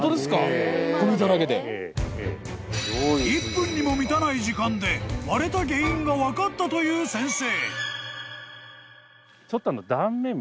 ［１分にも満たない時間で割れた原因が分かったという先生］